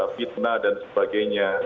fitnah dan sebagainya